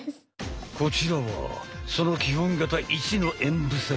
こちらはその基本形１の演武線。